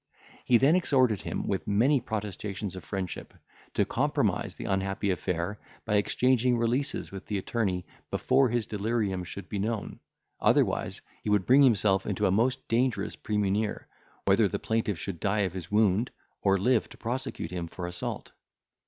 He then exhorted him, with many protestations of friendship, to compromise the unhappy affair by exchanging releases with the attorney before his delirium should be known, otherwise he would bring himself into a most dangerous premunire, whether the plaintiff should die of his wound, or live to prosecute him for assault.